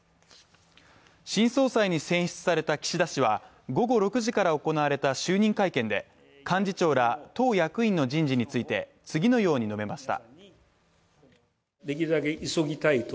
新総裁に選出された岸田氏は午後６時から行われた就任会見で幹事長ら党役員の人事について次のように述べました。